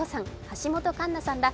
橋本環奈さんら